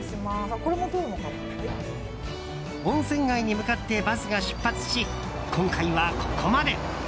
温泉街に向かってバスが出発し、今回はここまで。